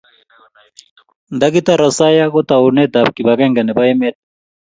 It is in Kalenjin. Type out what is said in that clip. nda kitar asoya ko taunet ab kibagenge nebo emet